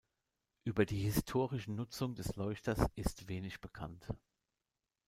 Über die historische Nutzung des Leuchters ist wenig bekannt.